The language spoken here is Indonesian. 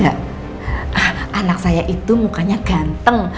ah anak saya itu mukanya ganteng